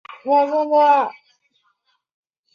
港内的被列为。